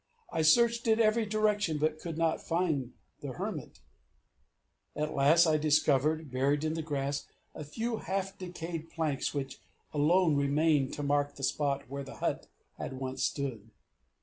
I searched in every direction, but could not find the Hermit; at last I discovered, buried in the grass, a few half decayed planks which alone remained to mark the spot where the hut had once stood.